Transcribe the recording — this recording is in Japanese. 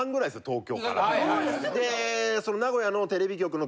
東京から。